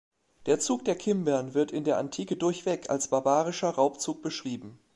Der Zug der Kimbern wird in der Antike durchweg als barbarischer Raubzug beschrieben.